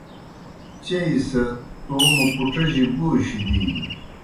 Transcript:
چیئی سہ توموْ پُڇِجیْ بوشیْ دِینیْ۔